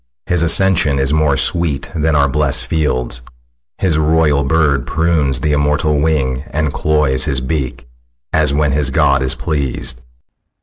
His ascension is More sweet than our blest fields. His royal bird Prunes the immortal wing, and cloys his beak, As when his god is pleas'd.